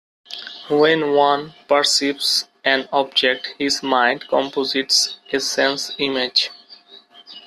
When one perceives an object, his mind composites a sense-image.